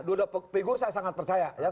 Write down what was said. dua dua pigur saya sangat percaya